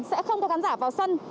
sẽ không có khán giả vào sân